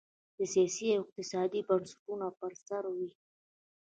د سیاسي او اقتصادي بنسټونو پر سر وې.